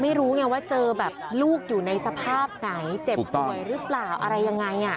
ไม่รู้ไงว่าเจอแบบลูกอยู่ในสภาพไหนเจ็บป่วยหรือเปล่าอะไรยังไง